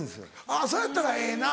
あぁそれやったらええな。